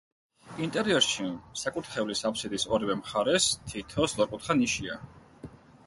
ინტერიერში, საკურთხევლის აფსიდის ორივე მხარეს, თითო სწორკუთხა ნიშია.